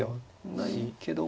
ないけども。